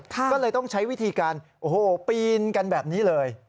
ก็เลยต้องใช้วิธีการโอ้โหปีนกันแบบนี้เลย